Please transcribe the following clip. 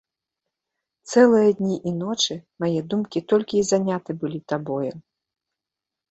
Цэлыя дні і ночы мае думкі толькі і заняты былі табою.